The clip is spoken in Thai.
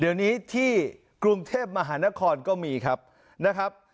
เดี๋ยวนี้ที่กรุงเทพมหานครก็มีครับนะครับ